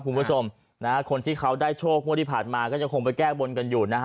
คุณผู้ชมนะฮะคนที่เขาได้โชคมดิผัสมาก็จะคงไปแก้กบนกันอยู่นะฮะ